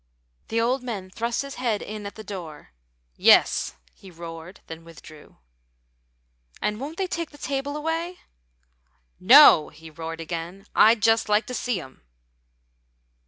The old man thrust his head in at the door. "Yes," he roared, then withdrew. "And won't they take the table away?" "No," he roared again. "I'd just like to see 'em!"